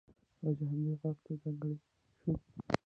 یوازې همدې غار ته ځانګړی شو.